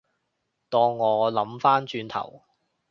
當我諗返轉頭